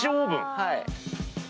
はい。